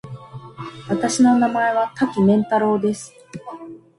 私の名前は多岐麺太郎です。